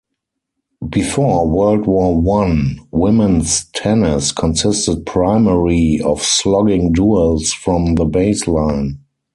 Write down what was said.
Before World War One, women's tennis consisted primary of slogging duels from the baseline.